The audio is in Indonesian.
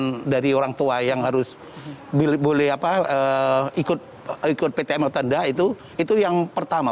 nah dari orang tua yang harus ikut ptm atau tidak itu yang pertama